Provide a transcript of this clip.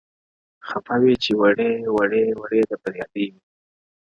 • خپه وې چي وړې ، وړې ،وړې د فريادي وې،